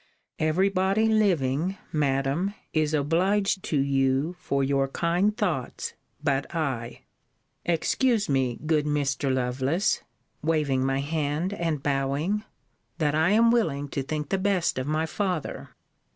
Every body living, Madam, is obliged to you for your kind thoughts but I. Excuse me, good Mr. Lovelace [waving my hand, and bowing], that I am willing to think the best of my father.